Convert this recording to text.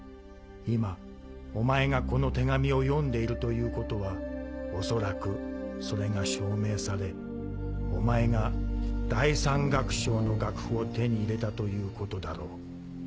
今お前がこの手紙を読んでいると言うことはおそらくそれが証明されお前が第三楽章の楽譜を手に入れたと言うことだろう。